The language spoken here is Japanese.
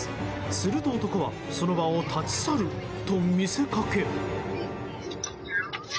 すると男はその場を立ち去ると見せかけ。